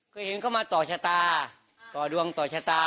เคยเห็นเขามาต่อชะตาต่อดวงต่อชะตา